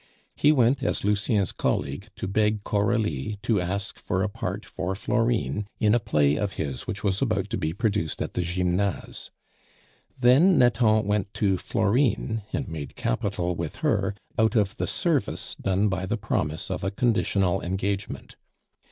He went as Lucien's colleague to beg Coralie to ask for a part for Florine in a play of his which was about to be produced at the Gymnase. Then Nathan went to Florine and made capital with her out of the service done by the promise of a conditional engagement.